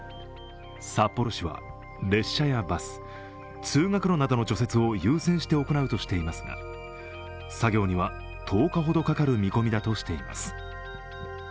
札幌市は列車やバス、通学路などの除雪を優先して行うとしていますが作業には１０日ほどかかる見込みだとしています。